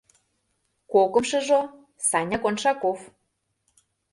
— Кокымшыжо — Саня Коншаков...